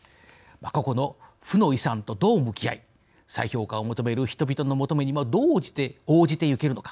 過去の負の遺産とどう向き合い再評価を求める人々の求めにどう応じてゆけるのか。